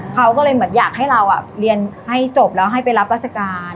เขาก็เลยเหมือนอยากให้เราเรียนให้จบแล้วให้ไปรับราชการ